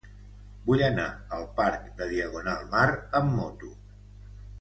Vull anar al parc de Diagonal Mar amb moto.